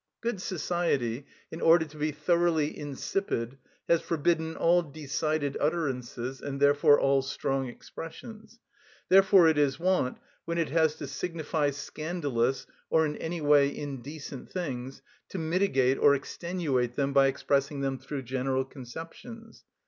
Good society, in order to be thoroughly insipid, has forbidden all decided utterances, and therefore all strong expressions. Therefore it is wont, when it has to signify scandalous or in any way indecent things, to mitigate or extenuate them by expressing them through general conceptions.